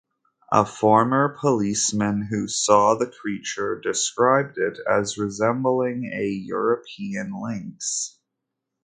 A former policeman who saw the creature described it as resembling a European Lynx.